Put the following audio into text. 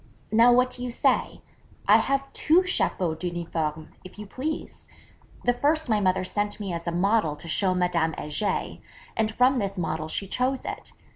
Now what do you say: I have two chapeaux d'uniforme, if you please! The first my mother sent me as a model to show Madame Heger, and from this model she chose it.